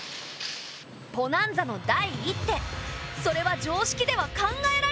ポナンザの第１手それは常識では考えられない手だった。